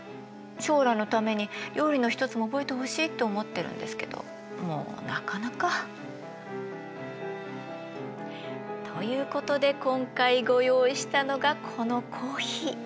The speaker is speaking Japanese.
将来のために料理の一つも覚えてほしいって思ってるんですけどもうなかなか。ということで今回ご用意したのがこのコーヒー。